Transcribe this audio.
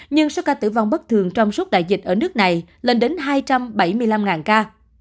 nhưng số ca tử vong bất thường trong suốt đại dịch ở nước này lên đến hai trăm bảy mươi năm ca